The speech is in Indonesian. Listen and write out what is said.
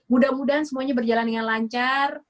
mudah mudahan semuanya berjalan dengan lancar